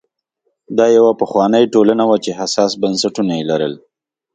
دا یوه پخوانۍ ټولنه وه چې حساس بنسټونه یې لرل